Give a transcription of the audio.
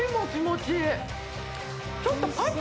ちょっと。